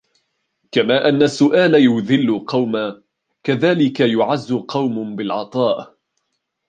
كما أن السؤال يُذِلُّ قوما كذاك يعز قوم بالعطاء